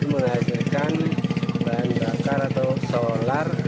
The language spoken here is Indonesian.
menghasilkan bahan bakar atau solar